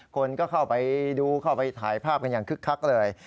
คนก็เข้าไปดูเข้าไปถ่ายภาพกันอย่างคึกคักเลย